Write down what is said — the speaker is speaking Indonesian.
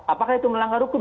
apakah itu melanggar hukum